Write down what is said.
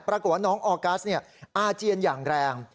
ปรากฏว่าน้องออกัสอาเจียนอย่างแรง